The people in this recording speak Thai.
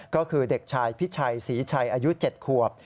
ก็คือเด็กชายพิชัยศรีชัยอายุ๗ขวบ